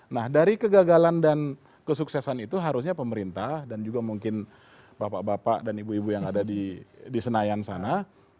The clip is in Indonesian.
nah dari kegagalan dan kesuksesan itu harusnya pemerintah dan juga mungkin bapak bapak dan ibu ibu yang ada di senayan sana